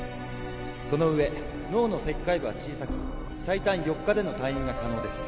そのうえ脳の切開部は小さく最短４日での退院が可能です。